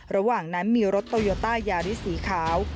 ระหว่างนั้นมีรถโตโยต้ายาริสสีขาว